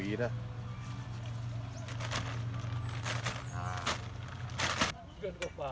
เย็น